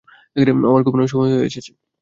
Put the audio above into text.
আমার ঘুমানোর সময় হয়েছে।